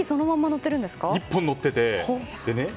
１本のってて。